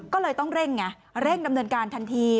ก็เลยต้องเร่งไงเร่งดำเนินการทันที